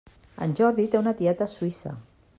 En Jordi té una tieta a Suïssa.